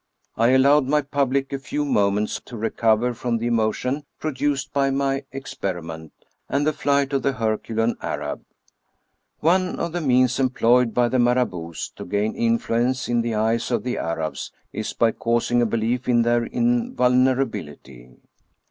I allowed my public a few moments to recover from the emotion produced by my experiment and the flight of the herculean Arab. One of the means employed by the Marabouts to gain influence in the eyes of the Arabs is by causing a belief in their invulnerability.